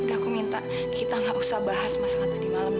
aku minta kita gak usah bahas masalah tadi malam